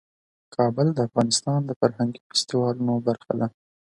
کابل د افغانستان د فرهنګي فستیوالونو برخه ده.